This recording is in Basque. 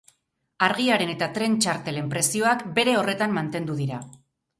Argiaren eta tren-txartelen prezioak bere horretan mantendu dira.